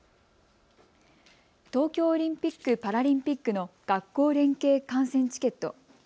東京オリンピック・パラリンピックの学校連携観戦チケット。